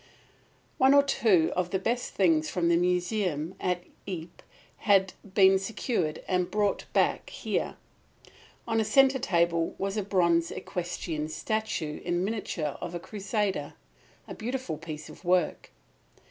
One or two of the best things from the museum at Ypres had been secured and brought back here. On a centre table was a bronze equestrian statue in miniature of a Crusader, a beautiful piece of work.